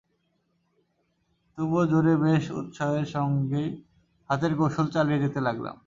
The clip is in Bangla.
তবুও জোরে বেশ উৎসাহের সঙ্গেই হাতের কৌশল চালিয়ে যেতে লাগলাম।